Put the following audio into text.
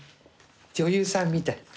女優さんみたい。